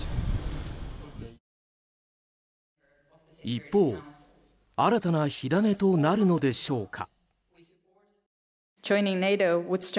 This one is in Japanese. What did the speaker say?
一方、新たな火種となるのでしょうか。